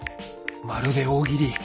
まるで大喜利